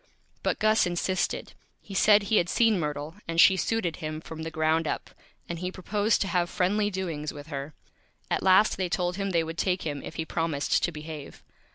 But Gus insisted. He said he had seen Myrtle, and she Suited him from the Ground up, and he proposed to have Friendly Doings with her. At last they told him they would take him if he promised to Behave.